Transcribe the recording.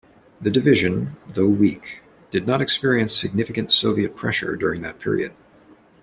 The division, though weak, did not experience significant Soviet pressure during that period.